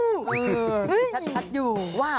เออคือชัดอยู่ว่าไป